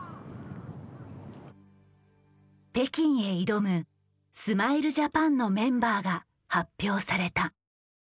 北京へ挑むスマイルジャパンのメンバーが発表された。